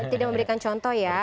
tidak memberikan contoh ya